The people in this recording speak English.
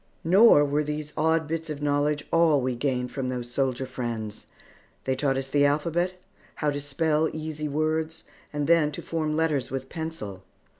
Nor were these odd bits of knowledge all we gained from those soldier friends. They taught us the alphabet, how to spell easy words, and then to form letters with pencil.